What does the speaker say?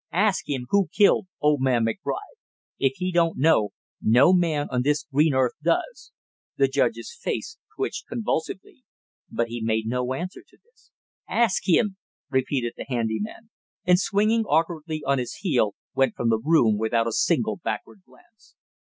Ask him who killed old man McBride! If he don't know, no man on this green earth does!" The judge's face twitched convulsively, but he made no answer to this. "Ask him!" repeated the handy man, and swinging awkwardly on his heel went from the room without a single backward glance.